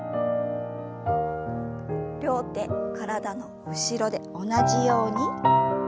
両手体の後ろで同じように。